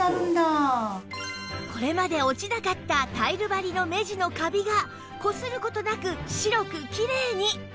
これまで落ちなかったタイル張りの目地のカビがこする事なく白くキレイに！